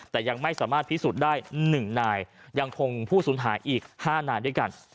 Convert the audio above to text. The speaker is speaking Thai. แต่ยังไม่สามารถพิสูจน์ได้๑นายยังคงผู้สูญหายอีก๕นายด้วยกัน